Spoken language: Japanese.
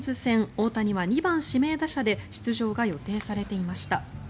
大谷は２番指名打者で出場が予定されていました。